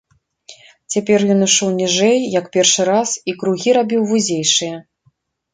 Цяпер ён ішоў ніжэй, як першы раз, і кругі рабіў вузейшыя.